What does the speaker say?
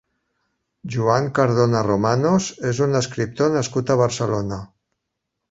Joan Cardona Romanos és un escriptor nascut a Barcelona.